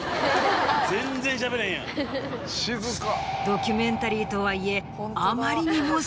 ドキュメンタリーとはいえ。